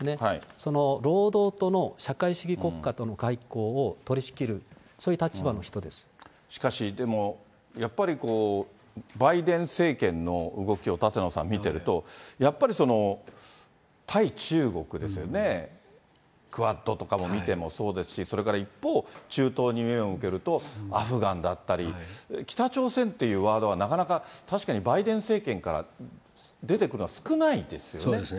その労働党の社会主義国家との外交を取りしきる、そういう立場のしかし、でもやっぱり、バイデン政権の動きを舘野さん、見てると、やっぱり対中国ですよね、クアッドとかを見てもそうですし、それから一方、中東に目を向けると、アフガンだったり、北朝鮮っていうワードはなかなか、確かにバイデン政権から出てくるのは少ないですよね。